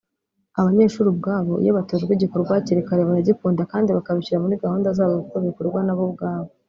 Abanyeshuri ubwabo iyo batojwe igikorwa hakiri kare baragikunda kandi bakabishyira muri gahunda zabo kuko bikorwa na bo ubwabo